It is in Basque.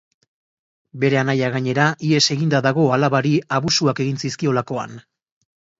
Bere anaia, gainera, ihes eginda dago alabari abusuak egin zizkiolakoan.